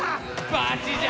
バチじゃ！